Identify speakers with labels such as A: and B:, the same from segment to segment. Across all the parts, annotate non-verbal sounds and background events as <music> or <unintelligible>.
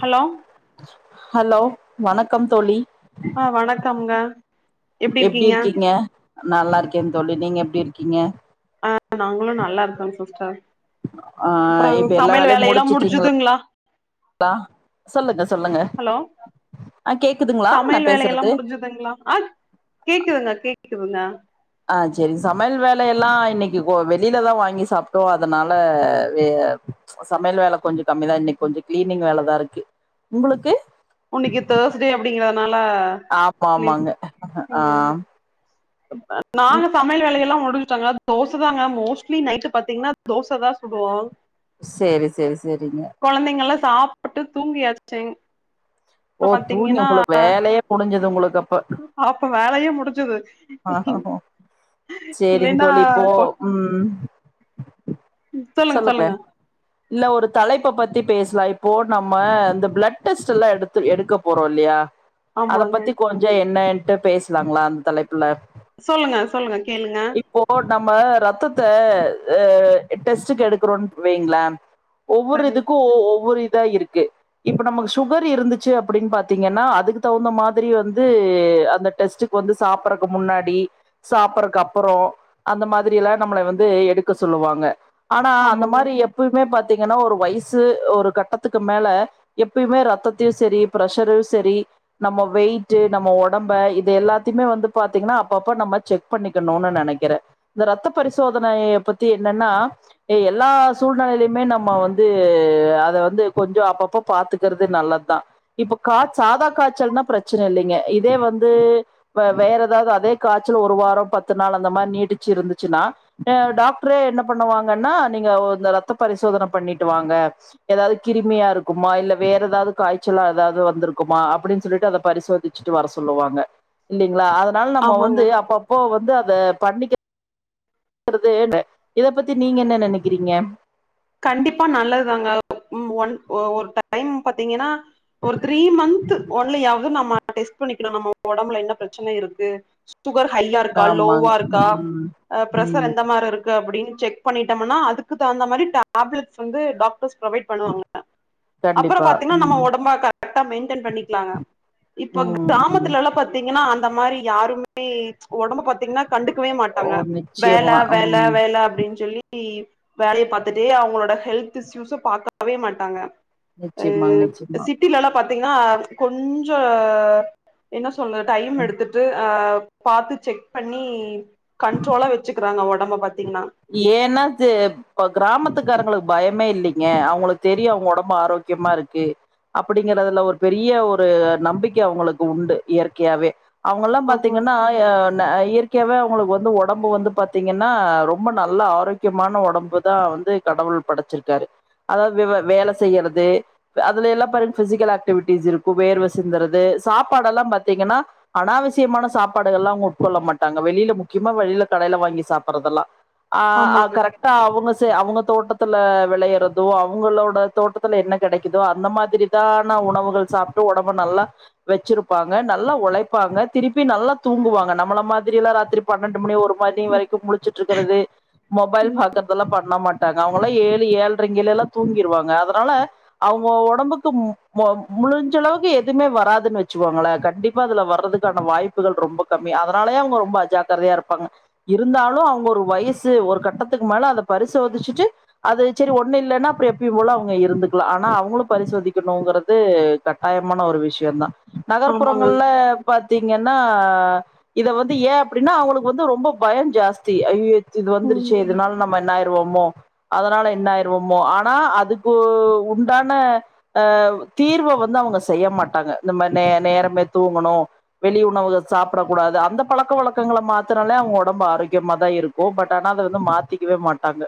A: hello
B: hello வணக்கம் தோழி
A: ஆ வணக்கம்ங்க
B: எப்டி இருக்கீங்க நல்லா இருக்கே தோழி நீங்க எப்டி இருக்கீங்க
A: ஆ நாங்களும் நல்லா இருக்கோம் சிஸ்டர்
B: ஆ
A: அப்புறம்
B: இப்ப எல்லா
A: சமையல்
B: வேலையு
A: வேல எல்லாம்
B: முடிச்சுட்டீங்களா
A: முடிஞ்சுதுங்களா
B: <unintelligible> சொல்லுங்க சொல்லுங்க
A: ஹலோ
B: அ கேக்குதுங்களா நா
A: சமையல் வேலையெல்லா
B: பேசுறது
A: முடிஞ்சுதுங்களா ஆ கேக்குதுங்க கேக்குதுங்க
B: ஆ செரி சமையல் வேல எல்லா இன்னைக்கு ஓ வெளியிலதா வாங்கி சாப்ட்டோம் அதனால எ சோ சமையல் வேல கொஞ்சோ கம்மிதான் இன்னை கொஞ்சோ கிளீனிங் வேலதான் இருக்கு உங்களுக்கு
A: ஓ இன்னைக்கு தேர்ஸ்டே அப்டிங்கறதுனால
B: ஆமா
A: கிளீன்
B: ஆமாங்க
A: ஓ
B: ஆ ம்
A: நானும் சமையல் வேலைய எல்லாம் முடிச்சுட்டங்க தோச தாங்க மோஸ்ட்லி நைட்ல பாத்தீங்கன்னா தோச தா சுடுவோ
B: சேரி சேரி செரிங்க
A: கொழந்தைங்கள்லா சாப்புட்டு தூங்கியாச்சி
B: ஓ
A: இப்ப
B: தூங்கி
A: பாத்தீங்கன்னா
B: உங்களுக்கு வேலையே முடிஞ்சது உங்களுக்கு அப்ப
A: அப்போ வேலயே முடிஞ்சது
B: சேரிங் தோழி இப்போ
A: கொ
B: ம் சொல்லுங்க இல்ல ஒரு தலைப்ப பத்தி பேஸ்லா இப்போ நம்ம இந்த பிளெட் டெஸ்ட்டெல்லா எடுத் த்து எடுக்க போறோ இல்லியா அத
A: ஆமாங்க
B: பத்தி கொஞ்ச என்னன்ட்டு பேஸ்லாங்களா அந்த தலைப்புல
A: சொல்லுங்க சொல்லுங்க கேளுங்க
B: இப்போ நம்ம ரெத்தத்த அ டெஸ்ட்டுக்கு எடுக்கிறோன்னு வைங்ள ஒவ்வொரு
A: சரி
B: இதுக்கும் ஒவ்வொரு இதா இருக்கு இப்ப நமக்கு சுகர் இருந்து சு அப்டின் பாத்தீங்கன்னா அதுக்கு தகுந்த மாதிரி வந்து அந்த டெஸ்ட்டுக்கு வந்து சாப்பறக்கு முன்னாடி சாப்பறக்கு அப்பறோ அந்த மாதிரி எல்லா நம்மளய வந்து எடுக்க சொல்லுவாங்க ஆனா அந்த
A: ஆமாங்க
B: மாரி எப் எப்பயுமே பாத்தீங்கன்னா ஒரு வயசு ஒரு கட்டத்துக்கு மேல எப்பயுமே ரத்தத் தயு சரி பிரஷரு சரி நம்ம வெயிட்டு நம்ம உடம்ப இது எல்லாத்தயுமே வந்து பாத்தீங்கன்னா அப்பப்ப நம்ம செக் பண்ணிக்கணுனு நெனைக்கிறே இந்த ரத்த பரிசோதனைய பத்தி என்னன்னா எல்லா சூழ்நெலைலயுமே நம்ம வந்து அத வந்து கொஞ்சோ அப்பப்ப பாத்துக்கறது நல்ல தா இப்ப கா சாதா காச்சல்ன்னா பிரச்சன இல்லைங்க இதே வந்து இப்ப வேற ஏதாவது அதே காச்சல் ஒரு வாரோ பத்து நாள் அந்த மார் நீடிச்சு இருந்துச்சுன்னா அ டாக்டரே என்ன பண்ணுவாங்கன்னா நீங்க இந்த ரத் த பரிசோதன பண்ணிட்டு வாங்க ஏதாது கிருமியா இருக்குமா இல்ல வேற ஏதாவது காய்ச்சலா ஏதாவது வந்துருக்குமா அப்டின் சொல்லிட்டு அதப் பரிசோதிச்சிட்டு வர சொல்லுவாங்க இல்லிங்களா அதனால நம்ம
A: ஆமாங்க
B: வந்து அப்பப்ப வந்து அத பண்ணிக் கரது இத பத்தி நீங்க என்ன நெனக்கிறீங்க
A: கண்டிப்பா நல்லதாங்க ஒன் ஒரு டைம் பாத்தீங்கன்னா ஒரு த்ரீ மன்த்து ஒன்லியாவது நம்ம டெஸ் பண்ணிக்கனு நம்ம ஒடம்புல என்ன பிரச்சன இருக்கு சுகர் ஹைய்யா இருக்கா
B: ஆமாங்க
A: லோவா இருக்கா
B: ம்
A: ஆ ப்ரசரு
B: ம்
A: எந்த மார் இருக்கு அப்டின் செக் பண்ணிட்டம்னா அதுக்கு தகுந்த மாரி டேப் டாப்லட்ஸ் வந்து டாக்டர்ஸ் ப்ரொவைட் பண்ணுவாங்கல்ள அப்பற
B: கண்டிப்பா
A: பாத்தீங்ன்னா நம்ம
B: ம்
A: ஒடம்பா கரக்டா மெய்ன்டன் பண்ணிக்கலாங்க இப்போ
B: ம் ம்
A: கிராமத்துலல்லா பாத் தீங்கன்னா அந்த மாரி யாருமே ஒடம்ப பாத்தீங்ன்னா கண்டுக்கவே
B: ஓ
A: மாட்டாங்க வேல
B: நிச்சயமா
A: வேல
B: ம்
A: வேல அப்டின் சொல்லி வேலயே பாத் துட்டே அவ்ங்ளோட ஹெல்த் இஸ்ஸூஸ பாக்கவே மாட்டாங்க ஆ
B: நிச்சயமாங்க நிச்சயமா
A: சிட் ட்டிலல்லா பாத்தீங்ன்னா கொஞ்சோ என்ன சொல்ல டைம் எடுத்துட் டா ஆ பாத்து செக் பண்ணி கண்ட்ரோலா வச்சிக்கிறாங்க ஒடம்ப பாத்தீங்ன்னா
B: ஏன்னா து இப்ப கிராமத்துக்காரங்களுக்கு பயமே இல்லிங்க அவுங்களுக்கு தெரியு அவுங்க ஒடம்பு ஆரோக்கியமா இருக்கு அப்டிங்கிறதுல ஒரு பெரிய ஒரு நம்பிக்க அவுங்களுக்கு உண்டு இயற்கையாவே அவுங்கல்லா
A: ஆமா
B: பாத்தீங்கன்னா ஏ ந இயற்கையாவே அவுங்களுக்கு வந்து ஒடம்பு வந்து பாத்தீங்கன்னா ரொம் ப நல்ல ஆரோக்கியமான ஒடம்பு தா வந்து கடவுள் படச்சிருக்காரு அதாவ் வவ வேல செய்யறது அதுல எல்லா பாருங்க பிசிக்கல் ஆக்டிவிட்டிஸ் இருக்கு வேர்வ சிந்துறது சாப்பாடல்லா பாத்தீங்கன்னா அனாவசியமான சாப்பாடுகல்லா அவுங்க உட்கொள்ள மாட்டாங்க வெளில முக்கியமா வெளில கடேல வாங்கி சாப்பறதல்லா ஆ ஆ
A: ஆமாங்க
B: கரக் டா அவ்ங்க சே அவ்ங்க தோட்டத்துல வெளையறதோ அவுங்களோட தோட்டத்துல என்ன கெடைக்கிதோ அந்த மாதிரி டான உணவுகள் சாப்ட்டு ஒடம்ப நல்லா வச்சிருப்பாங்க நல்லா ஒழைப்பாங்க திருப்பி நல்லா தூங்குவாங்க நம்மள மாதிரியல்லா ராத்திரி பன்னண்டு மணி ஒரு மணி
A: ம்,
B: வரைக்கு முழுச்சுட்ருக்கறது மொபைல் பாக்கறதல்லா பண்ண மாட்டாங்க அவங்கல்லா ஏழு ஏழ்றைங்கலேலா தூங்கிற்வாங்க அதனால அவுங்க ஒடம்புக்கு மொ முளிஞ்சளவுக்கு எதுமே வராதுன் வச்சுவோங்களே கண்டிப் பா அதுல வர்ரதக்கான வாய்ப்புகள் ரொம்ப கம்மி அதனாலயே அவங்க ரொம்ப அஜாகரதயா இருப்பாங்க இருந்தாலு அவங்க ஒரு வயஸ் <unintelligible> ஒரு கட்டத்துக்கு மேல அத பருசோதுச்சுட்டு அது சரி ஒண்ணு இல்லன்னா அப்ரோ எப்பயுபோல அவுங்க இருந்து ஆனா அவுங்குளு பரிசோதிக் கணுங்கறது கட்டாயமான ஒரு விஷயந்தா
A: ஆமாங்க
B: நகர்ப்புறங்கள்ல பாத்தீங்கன்னா இத வந்து ஏ அப்படின்னா அவங்ளுக்கு வந்து ரொம்ப பய ஜாஸ்தி ஐ இது வந்துருச்சி
A: ம்
B: இதனால நம்ம என்னாயிருவோமோ அதனால என்னாயிருவோமோ ஆனா அதுக்கு உண்டான ஆ தீர்வ வந்து அவ்ங்க செய்ய மாட்டாங்க இந்த மார் நே நேரமே தூங்கொணு வெளி உணவுக சாப்பட கூடாது அந்த பழக்க வழக்கங்கள மாத்துனாலே அவுங்க ஒடம்பு ஆரோக்கியமா தா இருக் ஓ பட் ஆனா அத வந்து மாத்திக்கவே மாட்டாங்க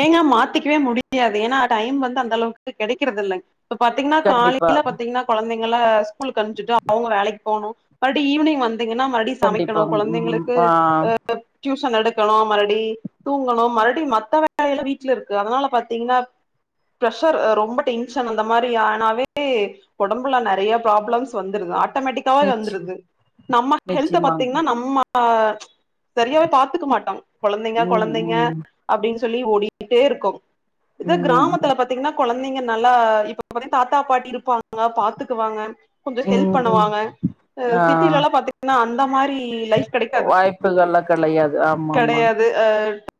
A: ஏங்க மாத்திக்கவே முடியாது ஏன்னா டைம் வந்து அந்தளவுக்கு கெடைக்கிறதில்லங் இப்ப பாத்தீங்கன்னா
B: கண்டிப்பா
A: காலேல பாத்தீங்கன்னா கொழந்தைங்கள்ள ஸ்கூலுக்கு அனுப்ச்சிட்டோ அவுங்க வேலக் போனு மற்டி ஈவினிங் வந்தீங்கன்னா மற்
B: கண்டிப்பா
A: சமைக்கணு
B: ம்
A: கொழந்தைங்களுக்கு ஆ டியூசன் எடுக் கனு மறுடி தூங்கணு மறுடி மத்த வேலயெல்லா வீட்ல இருக்கு அதனால பாத்தீங்கன்னா பிரெஷர் ரொம்ப டென்ஷன் அந்த மாரி ஆனாவே ஒடம்புல நறைய ப்ராப்ளம்ஸ் வந்துருது ஆட்டோமேட்டிக் கா
B: நிச்
A: வந்துருது நம்ம ஹல்த
B: நிச்சயமாங்க
A: பாத்தீங்கன்னா நம்ம சரியாவே பாத்துக்க மாட் கொழந்தைங்க
B: ம்
A: கொழந்தைங்க
B: ம்
A: அப்படின்னு சொல்லி ஓடிட்டே இருக்கொம் இது
B: ம் ம்
A: கிராமத்துல பாத்தீங்ன்னா கொழந்தைங்க நல்லா இப்ப <inaudible> தாத்தா பாட்டி இருப்பாங்க பாத்துக்குவாங்க கொஞ்ச ஹெல்ப்
B: ம் ம்
A: பண்ணுவாங்க அ
B: ஆ
A: சிட்டிலலா பாத்தீங்கன்னா அந்த மாரி லைஃப் கடைக்காது
B: <unintelligible> களையாது ஆமா ஆமாங்
A: ஆ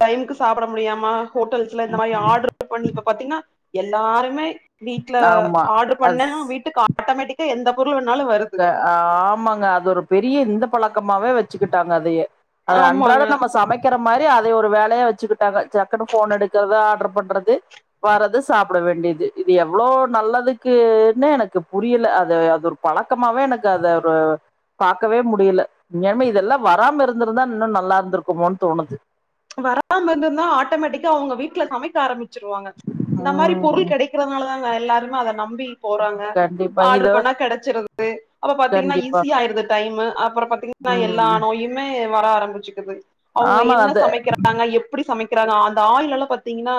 A: டைம்க்கு சாப்ட முடியாம ஹோட்டல்ஸ்ல இந்த
B: ம்
A: மாரி
B: ம்
A: ஆர்ட்ரு பண்ணி இப்ப பாத்தீங்ன்னா எல்லாருமே வீட்ல
B: ஆமா
A: ஆர்டர் பண்ண
B: அஸ்
A: வீட்டுக்கா ஆட்டோமேட்டிக்கா எந்த பொருள் வேனாலு வருது
B: ஆ ஆமாங்க அது ஒரு பெரிய இந்த பழக்கமாவே வெச்சுக்கிட்டாங்க அதையே அது அன்றாட
A: ஆமாங்க
B: நம்ம சமைக் க்கற மாரி அத ஒரு வேலையா வச்சுக்கிட்டாங்க ஜக்குனு போன் எடுக்கறது ஆர்ட்ரு பண்றது வறது சாப்ட வேண்டியது இது எவ்ளோ நல்லதுக்குன்னு எனக்கு புரியல அது அது பழக்கமாவே எனக்கு அது ரு பாக்கவே முடில உண்மையாலுமே இதெல்லா வராம இருந்துருந்தா இன்னு நல்லா இருந்துருக்குமோனு தோணுது
A: வராம இருந்துருந்தா ஆட்டோமேட்டிக்கா அவங்க வீட்ல சமைக்க ஆரம்பிச்சிருவாங்க இந்த மாரி
B: ம்
A: பொருள் கெடைக் க்கிறதுனாலதாங்க எல்லாருமே அத நம்பி போறாங்க
B: கண்டிப்பா
A: ஆர்ட்ரு
B: இது
A: பண்ணா கெடச்சுருது அப்ப பாத்தீங்ன்னா
B: கண்டிப்பா
A: ஈஸியாஆயிருது டைமு அப்பரோ பாத்தீங்கன்னா எல்லா
B: ம்
A: நோயு இம்மு வர ஆரம்பிச்சுக்குது அவங்க
B: ஆமா
A: என்ன
B: அது
A: சமைக் அங்க எப்டி சமைக்கறாங்க அந்த ஆயிள்ல்லா பாத்தீங்கன்னா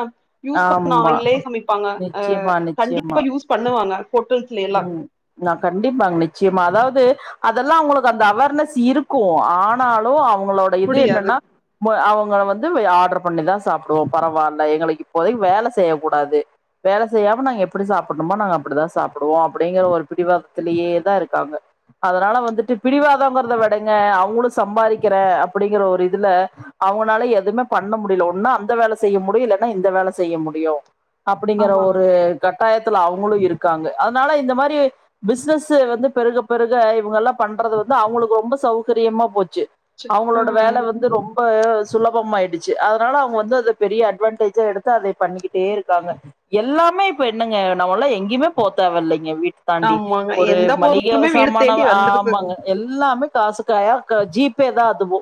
A: யூஸ் பண்ண
B: ஆமா
A: ஆயில்லயே சமைப்பாங்க ஆ
B: நிச்சயமா நிச்சயமா
A: கண்டிப்பா யூஸ் பண்ணுவாங்க ஹோட்டல்
B: ம் நா கண்டிப்பாங் நிச்சியமா அதாவது அதெல்லா அவங்களுக்கு அந்த அவர்னஸ் இருக்கு ஆனாலு அவங்களோட இது
A: முடியாது
B: என்னன்னா ம்ப அவங்க வந்து ஆர்ட்ரு பண்ணிதா சாப்டுவோ பரவால்ல எங்களுக்கு இப்போதைக்கு வேல செய்ய கூடாது வேல செய்யாம நா எப்டி சாப்பணுமோ நாங்க அப்படிதா சாப் ப்புடுவோ அப்படிங்கற ஒரு பிடிவாதத்திலேயே தா இருக்காங்க அதனால வந்துட்டு பிடிவாதோங்கராதவெடைங்க அவங்ளு சம்பாரிக்கற அப்டிங்கற ஒரு இதுல அவங்கனால எதுமே பண்ண முடில ஒன்னா அந்த வேல செய்ய முடியு இல்லட்னா இந்த வேல செய்ய முடியு அப்டிங்கற
A: ஆமாங்க
B: ஒரு கட்டாயத்துல அவங்களு இருக்காங்க அதனால இந்த மாரி பிசினஸ்சு வந்து பெருக பெருக இவங்க எல்லா பண்றது வந்து அவங்களுக்கு ரொம்ப சௌகரியமா போச்சு
A: ச்சு ஆ
B: அவங்களோட வேல வந்து ரொம் ப்ப சுலபமாயிடுச்சு அதனால அவங்க வந்து அத பெரிய அட்வான்டேஜா எடுத்து அதை பண்ணிக்கிட்டே இருக்காங்க எல்லாமே இப்ப என்னங்க நம்மல்லா எங்க்யுமே போ தேவல்லிங்க வீட் தாண்டி
A: ஆமாங்க
B: ஒரு
A: எந்த
B: மளிக
A: பொருளுமே வீடு
B: சாமானவ்
A: தேடி வந்துருது
B: ஆமாங்க எல்லாமே காசு காயா க ஜீப்பே தா அதுவு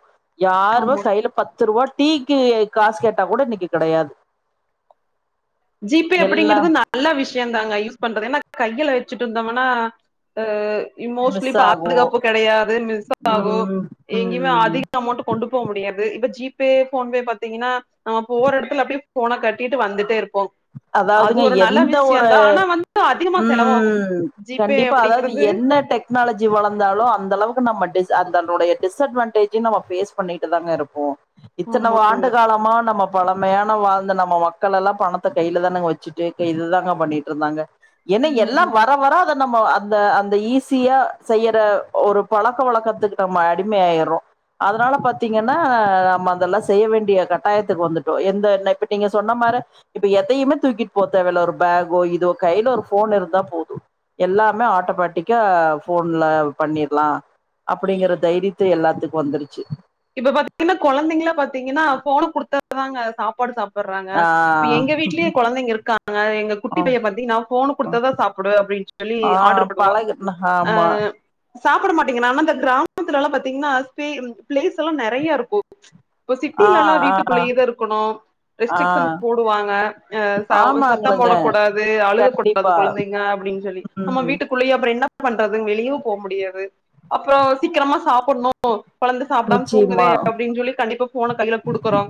B: யார்வே
A: ஆமா
B: கைல பத் த்துருவா டீக்கு காஸ் கேட்டா கூட இன்னிக்கி கெடயாது
A: ஜீபே
B: எல்லா
A: அப்டிங்கறது நா நல்ல விஷ்யந்தாங்க யூஸ் பண்றது ஏனா கையிள வெச்சிட்டுந்தோமனா ஏ இமோஷ்லி
B: மிஸ் ஆகு
A: பாதுகாப்பு கெடையாதுன்னு ஸாகோ
B: ம்
A: எங்கியுமே
B: ம்
A: ஆதி கமௌன்ட்டு கொண்டு போ முடியாது இப்ப ஜிபே போன்பே பாத்தீங்கினா நம போர் எடத்துல அப்டியே போன கட்டிட்டு வந்துட்டே இருப்போம்
B: அதாவதுங்க எந்த ஒரு
A: வந்து அதிகமா செலவாகு
B: உம்
A: ஜிபே
B: கண்டிப்பா அதாவது
A: அப்படிங்கறது
B: என்ன டெக் க்னாலஜி வளந்தாலு அந்தளவுக்கு நம்மடிஸ் அந்தனுடைய டிஸ்அட்வான்டேஜுனு நம்ம ஃபேஸ் பண்ணிட்டு தாங்க இருப்போ இத்தன
A: ஆமா
B: வாண்டு காலமா நம்ம பழமையான வாழ்ந்த நம்ம வக்களல்லா பண த்த கைல தானங் வச்சுட்டு க இதுதாங்க பண்ணிட்ருந்தாங்க என்னெ
A: ம்
B: எல்லாம் வ அ வராத நம்ம அந்த அந்த ஈஸியா செய்யற ஒரு பழக்கொ வழக்கத்துக்கு பம அடிமேய்றோ அதனால பாத்தீங்கன்னா நம்ம அதெல்லா செய்ய வேண்டிய கட்டாயத்துக்கு வந்துட்டோ எந்த நெப்பு நீ சொன்ன மார இப்ப எதையுமே தூக்கிட் போ தேவல்ல ஒரு பேஃக்கோ இதோ கைல ஒரு ஃபோன் இருந்தா போது எல்லாமே ஆட்டோமேட்டிக்கா ஃபோன்ல பண்ணிர்லா அப்டிங்கற தைரித்த எல்லாத்துக் வந்துருச்சி
A: இப்ப பாத் இன்னா கொழந்தைங்கிளா பாத்தீங்கின்னா ஃபோன குடுத்தாதாங்க சாப்பாடு சாப்பறாங்க
B: ஆ
A: பி எங்க வீட்லியே கொழந்தைங்க இருக்காங்க எங்க
B: ஆ
A: குட்டிபைய பாத்தீங்கன்னா ஃபோன
B: ஆ
A: குடுத்ததா சாப்புடுவ அப்டின்னு சொல்லி
B: ஆ பழகட்ன ஹாமா
A: சாப்புட மாட்டேங்கனா நா அந்த க்ராம் த்துலல்லா பாத்தீங்னா ஸ்பே உம் ப்ளேஸல்லா நெறையாருக்கு ப்போ
B: ஆ
A: சிட்டிலல்லா
B: ஆ
A: வீட்டுக்குள்ளயேதா இருக்கணு
B: ஆ
A: ரெஸ்ட்ரிக்ஷன் போடுவாங்க அ சவ் சத்தம்
B: ஆமாங்களுங்க
A: போடக் கூடாது அழுக கொட் அது
B: கண்டிப்பா
A: கொழந்தைங்க அப்டின் சொல்லி
B: ம்
A: உள்ளயே அப்ற என்ன பண்றது வெளியு போ முடியாது அப்றோ சிக்ரமா சாப்புணு உ கொழந்த சாப்டாம தூங்குதே
B: நிச்சயமா
A: அப்டின் ஜொல்லி கண்டிப்பா ஃபோன கைய்லப் குடுக்குறோ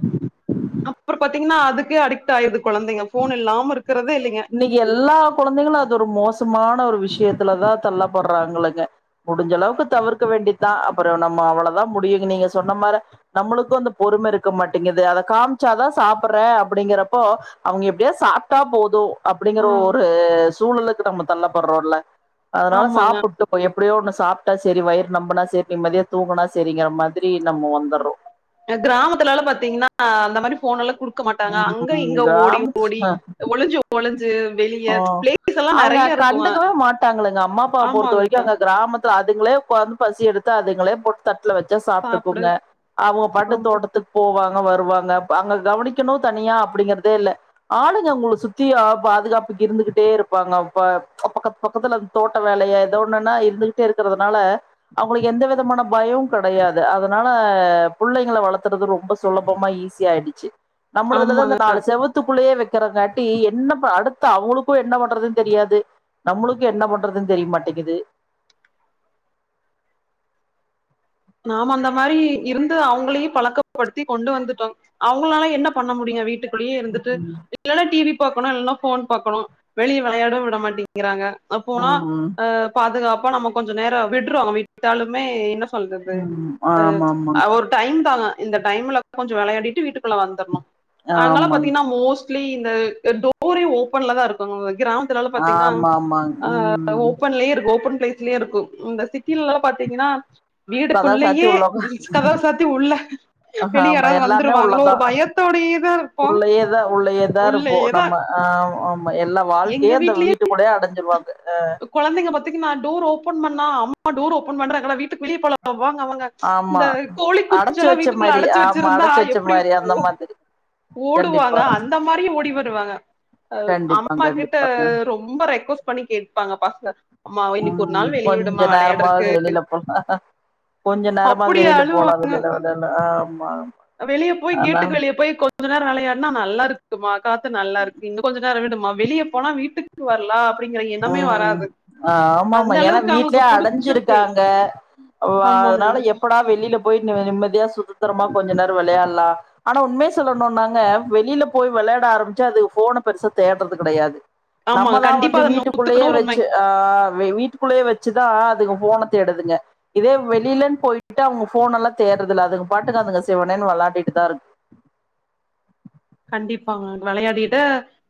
A: அப்ற் பாத்தீங்கன்னா அதுக்கே அடிக்ட் ஆயிடுது கொழந்தைங்க ஃபோன் இல்லாம இருக் க்குறதே இல்லிங்க
B: இன்னிக்கி எல்லா கொழந்தைகளு அதொரு மோசமான ஒரு விஷ்யத்துலதா தள்ளப்பட்றாங்ளைங்க முடிஞ்சளவுக்கு தவிர்க்க வேண்டிதா அப்பறோ நம்ம அவளதா முடியுங்கு நீங்க சொன்ன மார நம்முளுக்கு அந்த பொறும இருக்க மாட்டிங்கிது அத காம்ச்சாதா சாப்பறே அப்டிங்கறப்போ அவுங்க எப்டியாத் சாப்ட்டா போது
A: ஆ,
B: அப்டிங்கிற ஒரு சூழலுக்கு நம்ம தள்ளப்பட்றோல்ல அதனால
A: ஆமாங்க
B: சாப்புட்டு ப்ப எப்டியோ ஒண்ணு சாப்ட்டா செரி வயிர் நம்புனா செரி நிம்மதியா தூங்குனா செரிங்ர மாத்ரி நம்ம வந்துர்றோ
A: எ க்ராமத்துலளா பாத்தீங்ன்னா அந்த மாரி ஃபோனல்லா குடு க்க மாட்டாங்க அங்க
B: ம்
A: இங்க ஓடி ஓடி
B: கிராமத்து
A: ஒளிஞ்சோ
B: ஓ அவுஙக
A: நிறைய இருக்கும்
B: கண்டுக்கவே மாட்டாங்களங்க அம்மாப்பா பொறுத்த
A: ஆமாங்க
B: வரைக்கு அங்க கிராமத் த்து அதுங்ளே கொத்ம் பசி எடுத்தா அதுங்களே போட் தட்ல வச்சா
A: சாப்பிடு
B: சாப்ட்டுக்குங்க அவு பாட்டு
A: ஆமா
B: தோட்டத்துக் போவாங்க வருவாங்க பாங்க கவனிக்கிணு தனியா அப்டிங்கறதேல்ல ஆளுங்க உங்கள சுத்தியா பாதுகாப் இருந்துகிட்டே இருப்பாங்க இப்ப பக்கத் பக்கத்துல அந்த தோட்ட வேலய எதோ ஒண்ணுன்னா இருந்துகிட்டே இருக்கறதுனால அவுங்களுக்கு எந்த விதமான பயோ கெடையாது அதனால புள்ளைங்கள வளத்துறது ரொம்ப சுலபமா ஈஸி ஆயிடிச்சி நம்மளதுலதா இந்த
A: ஆமாங்க
B: நாலு செவத்துக்குள்ளேயே வெக்கிறங்காட்டி என்னப்பா அடுத் து அவுங்களுக்கு என்ன பண்றதுன்னு தெரியாது நம்முளுக்கு என்ன பண்றதுன்னு தெரிய மாட்டேங்கிது
A: நாம அந்த மாரி இருந்து அவுங்ளையும் பழக்கப்படுத்தி கொண்டு வந்துட்டோ அவுங்ளால என்ன பண்ண முடியு வீட்டுக் உள்ளயே இருந்துட்டு இல்லன்னா டி வி பாக்கணு இல்லன்னா ஃபோன் பாக்கணு வெளிய வெளயாடவு விட மாட்டிங்கிறாங்க அப்போனா
B: ம் ம்
A: அ பாதுகாப்பா நம்ம கொஞ்ச நேரோ விட்ருவாங்க விட்டாலுமே என்ன சொல்றது
B: ம்
A: அ
B: ஆமா ஆமாங்க
A: அவர் டைம் தாங்க இந்த டைம்ல கொஞ்சோ வெளயாடிட்டு வீட்டுக்குள்ள வந்தர்ணு அங்களா
B: ஆமாங்க
A: பாத்தீங்கன்னா மோஸ்ட் லி இந்த டோரே ஓப்பன்ல தா இருக் <unintelligible> கிராம்த்லளா பாத்தீங்கன்னா
B: ஆமா ஆமாங்க
A: அ
B: ம்
A: ஓப்பன்லே இருக்கு ஓப்பன் பிளேஸ் லே இருக்கு இந்த சிட்டிலல்லா பாத்தீங்கன்னா
B: இப்பதான் சாத்தி
A: வீடுக்குள்ளயே கதவ சாத்தி உள்ள
B: அஹ
A: வெளிய
B: ஆமா
A: யாராவது
B: எல்லாருமே
A: வந்துருவாங்களோ
B: உள்ளதா
A: ஒரு பயத்தோடயே தா இருப்போ
B: உள்ளயேதா உள்ளயேதா இருப்போ
A: உள்ளயேதா
B: நம்ம ஆ ம் ஆமா எல்லா
A: எங்க
B: வாழ்க்கையே அந்த
A: வீட்லயே
B: வீட்டு குள்ளே அடஞ்சிருவாங்க அ
A: கொழந்தைங்க பத்திங்கனா டோர் ஓபன் பண்ணா அம்மா டோர் ஓப்பன் பண்றாங்களா வீட்டுக்கு வெளியே போலா வாங்க வாங்க
B: ஆமா
A: இந்த கோழி
B: அடைச்சு
A: குஞ்செல்லா
B: வச்ச
A: வீட்டுக்குள்ள
B: மாதிரி
A: அடச்சு
B: ஆமா
A: வச்சிருந்தா
B: அடைச்சு வச்ச
A: எப்படி
B: மாதிரி அந்த
A: ஓ
B: மாதிரி
A: ஓடுவாங்க
B: கண்டிப்பா
A: அந்த மாரி ஓடி வருரவாங்க அ
B: கண்டிப்பா
A: அம்மா கிட்ட
B: கண்டிப்பாங்க
A: ரொம் ரொம்ப ரெக்வஸ்ட் பண்ணி கேட்ப்பாங்க பசங்க அம்மா இன்னைக்கு ஒரு
B: ம்
A: நாள் வெளிய
B: கொஞ்ச
A: விடுமா விளையாடுறக்கு
B: நேரமாவது வெளியில போலா கொஞ்ச நேரமாது
A: அப்படி
B: வெளியில
A: அழு
B: போலா வெளில இல்ல இல்ல ஆமா ஆமா
A: வெளிய போய் கேட்டுக்கு வெளிய போய் கொஞ்ச நேரோ வெளயாடுனா நல்லா இரு க்கு மா காத்து நல்லா இருக்கு இன்னு கொஞ்ச நேரோ விடுமா வெளிய போனா வீட்டுக்கு வரலா
B: ம் ஆ
A: அந்த
B: ஆமாமா ஏனா
A: அளவுக்கு
B: வீட்லே
A: அவங்களுக்கு புடிச்சிருக்கு
B: அடைஞ்சிருக்காங்க அ
A: ஆமாங்க
B: அதனால எப்படா வெளியில போய் அ நிம்மதியா சுதந்திரமா கொஞ்ச நேரோ விளயாடலா ஆனா உண்மைய சொல்லணுன்னாங்க வெளியில போய் வெளையாட ஆரம்பிச்சா அது ஃபோன பெருசா தேடுறது கெடையாது
A: ஆமா கண்டிப்பா அத நோ
B: ட்டுக்குள்ளேயே வச்சு ஆ வி வீட்டுக்குள்ளயே வச்சுதா அதுங்க ஃபோன தேடுதுங்க இதே வெளியிலன்னு போயிட்டா அவுங்க ஃபோனல்லா தேடுறதுல்ல அதுங்க பாட்டுக்கு அதுங்க சிவனேன்னு வெளாடிட்டுதா இருக்கு
A: கண்டிப்பாங்க வெளையாடிட்டு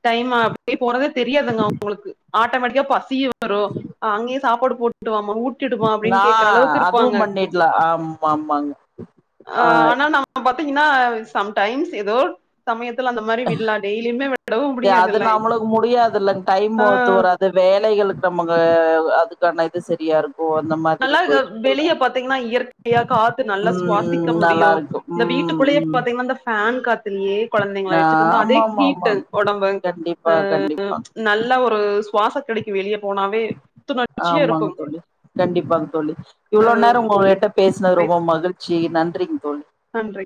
A: டைம் அப்டிய போறதே தெரியாதுங்க அவுங்களுக்கு ஆட்டோமேட்டிக்கா பசியு வரு அ அங்கேயே சாப்பாடு போட்டுவாமா ஊட் டிடுமா
B: நா
A: அப்டின்னு கேக்குற அளவுக்கு இருப்பாங்க
B: அதுவும் பண்ணிட்லா ஆமா ஆமாங்க ஆ
A: ஆனா ந ம்ம பாத்தீங்கன்னா சம்டைம்ஸ் ஏதோ சமயத்துல அந்த மாரி விடலாம் டெய்லியுமே விடவும்
B: அது
A: முடியாதுல்ல
B: நம்மளுக்கு முடியாதுலங் டைம்
A: ஆ
B: ஒத்து வரா து வேலைகளுக்கு நம்மங்க அ அதுக்கான இது சரியா இருக்கு அந்த மாதிரி
A: நல்லா இது
B: போயிட்ருக்குல்ல
A: வெளிய பாத்தீங்கன்னா இயற்கையா காத்து நல்லா
B: ம்
A: சுவாசிக்க முடியும்
B: நல்லாருக்கு
A: இந்த
B: ம்
A: வீட்டுக்குள்ளயே
B: ம்
A: பாத்தீங்கன்னா இந்த ஃபேன் காத் அதுலே கொழந்தைங்கள வச்சுட்டு இருந்தோ அதே
B: ஆமா ஆமா
A: ஹீட்டு
B: ஆமாங்
A: ஒடம்பு
B: கண்டிப்பா
A: அ அ
B: கண்டிப்பா
A: நல்ல ஒரு சுவாச கெடைக்கு வெளிய போனாவே புத்துணர்ச்சியா இருக்கு
B: ஆமாங்க தோழி கண்டிப்பாங்க தோழி இவ்ளோ நேரோ உங்ககிட்ட பேசுனது ரொம்ப
A: பேசு
B: மகிழ்ச்சி நன்றிங்க தோழி
A: நன்றி